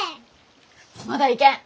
まだいけん。